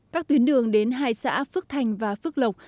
các tuyến đường đến hai xã phước thành và phước lộc